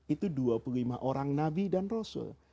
itu dua puluh lima orang nabi dan rasul